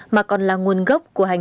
mà còn là nguồn gốc của hà nội